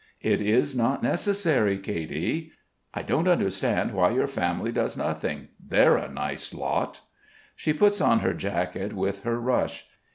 "It's not necessary, Katy." "I can't understand why your family does nothing. They're a nice lot." She puts on her jacket with her rush.